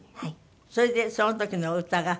それでその時のお歌が。